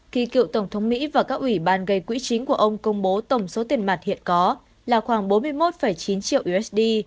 khi cựu tổng thống mỹ và các ủy ban gây quỹ chính của ông công bố tổng số tiền mặt hiện có là khoảng bốn mươi một chín triệu usd